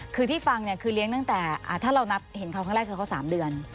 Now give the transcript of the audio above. คือที่ฟังเนี่ยคือเลี้ยงตั้งแต่ถ้าเรานับเห็นเขาครั้งแรกคือเขา๓เดือน